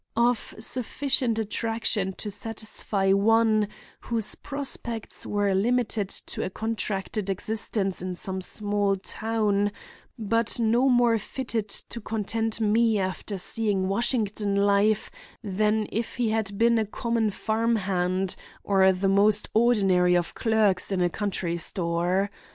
—of sufficient attraction to satisfy one whose prospects were limited to a contracted existence in some small town, but no more fitted to content me after seeing Washington life than if he had been a common farm hand or the most ordinary of clerks in a country store.